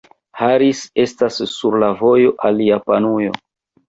Harris estas sur la vojo al Japanujo.